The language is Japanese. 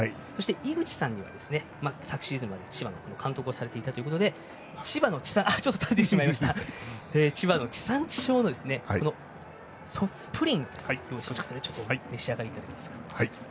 そして、井口さんには昨シーズンまで千葉の監督をされていたということで千葉の地産地消のプリンお召し上がりいただけますか。